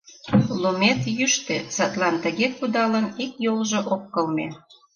Лумет йӱштӧ, садлан тыге кудалын, ик йолжо ок кылме.